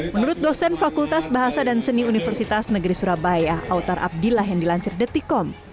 menurut dosen fakultas bahasa dan seni universitas negeri surabaya autar abdillah yang dilansir detikom